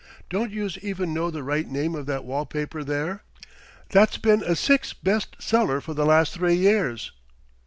"Don't youse even know the right name of that wall paper there, that's been a Six Best Seller for the last three years?"